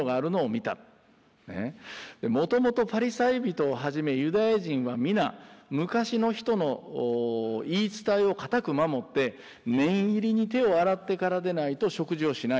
もともとパリサイ人をはじめユダヤ人は皆昔の人の言い伝えを固く守って念入りに手を洗ってからでないと食事をしない。